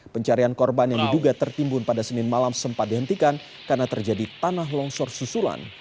pencarian korban yang diduga tertimbun pada senin malam sempat dihentikan karena terjadi tanah longsor susulan